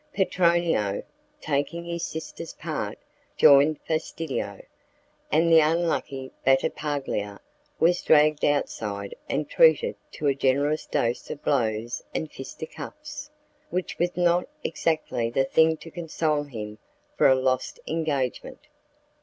Petronio, taking his sister's part, joined Fastidio, and the unlucky Battipaglia was dragged outside and treated to a generous dose of blows and fisticuffs, which was not exactly the thing to console him for a lost engagement.